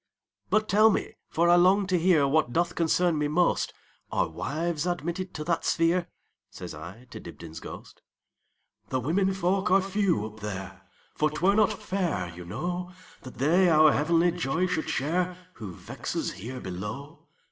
"But tell me, for I long to hearWhat doth concern me most, Are wives admitted to that sphere?"Says I to Dibdin's ghost."The women folk are few up there; For 't were not fair, you know, That they our heavenly joy should shareWho vex us here below.